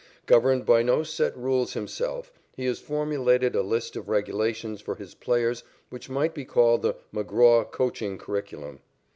Governed by no set rules himself, he has formulated a list of regulations for his players which might be called the "McGraw Coaching Curriculum."